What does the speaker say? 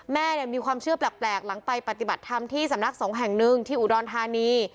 แม่มีความเชื่อแปลกหลังไปปฏิบัติธรรมที่สำนักสงฆ์แห่งหนึ่งที่อุดรธานี